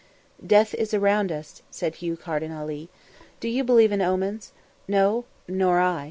"Death is around us," said Hugh Carden Ali. "Do you believe in omens? No? Nor I.